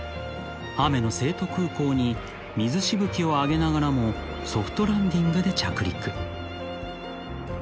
雨の成都空港に水しぶきを上げながらもソフトランディングで着陸］